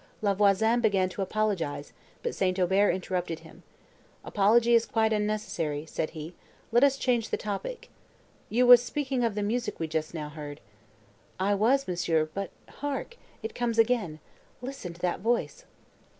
La Voisin began to apologise, but St. Aubert interrupted him; "Apology is quite unnecessary," said he, "let us change the topic. You were speaking of the music we just now heard." "I was, monsieur—but hark!—it comes again; listen to that voice!"